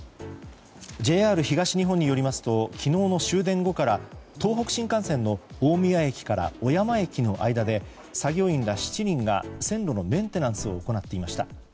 ＪＲ東日本によりますと昨日の終電後から東北新幹線の大宮駅から小山駅の間で作業員ら７人が線路のメンテナンスを行っていました。